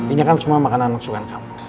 ini kan semua makanan kesukaan kamu